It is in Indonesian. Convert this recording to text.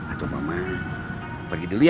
atau mama pergi dulu ya